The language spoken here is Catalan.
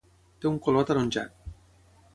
Té un color ataronjat.